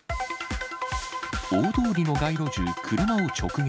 大通りの街路樹、車を直撃。